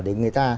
để người ta